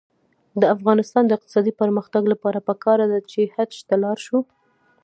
د افغانستان د اقتصادي پرمختګ لپاره پکار ده چې حج ته لاړ شو.